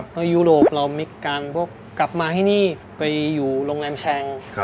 เพราะยุโรปเราไม่กางพวกกลับมาที่นี่ไปอยู่โรงแรมแชง